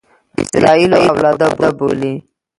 د اسراییلو اولاده بولي.